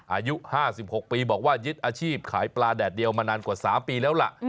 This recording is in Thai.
อายุ๕๖ปีบอกว่ายึดอาชีพขายปลาแดดเดียวมานานกว่า๓ปีแล้วล่ะ